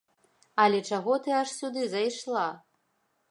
Але чаго ты аж сюды зайшла?